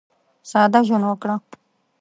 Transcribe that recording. ساده ژوند وکړه.